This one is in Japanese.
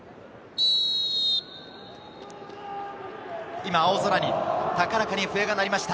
今、青空に高らかに笛が鳴りました。